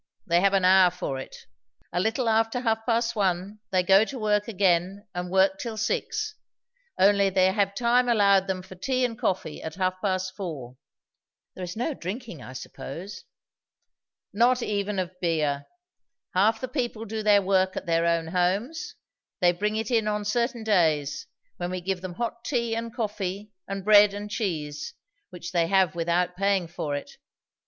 They have an hour for it. A little after half past one they go to work again and work till six; only they have time allowed them for tea and coffee at half past four." "There is no drinking, I suppose?" "Not even of beer. Half the people do their work at their own homes; they bring it in on certain days, when we give them hot tea and coffee and bread and cheese, which they have without paying for it.